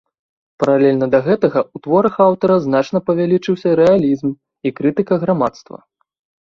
Паралельна да гэтага ў творах аўтара значна павялічыўся рэалізм і крытыка грамадства.